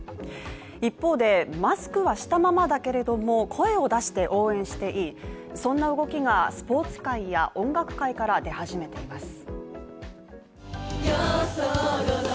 一方で、マスクはしたままだけれども、声を出して応援していいそんな動きがスポーツ界や音楽界から出始めています。